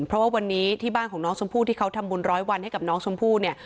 เพราะว่าวันนี้ที่บ้านของน้องชมพู่ที่เขาทำบุญร้อยวันให้กับน้องชมพู่เนี่ย